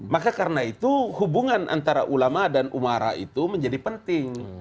maka karena itu hubungan antara ulama dan umara itu menjadi penting